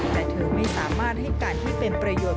แต่เธอไม่สามารถให้การที่เป็นประโยชน์